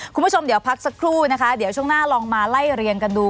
คุณผู้ชมเดี๋ยวพักสักครู่นะคะเดี๋ยวช่วงหน้าลองมาไล่เรียงกันดู